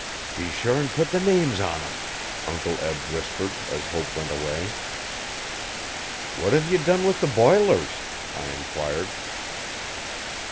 'Be sure 'n put the names on 'em,' Uncle Eb whispered, as Hope went away. 'What have ye done with the "bilers"?' I enquired.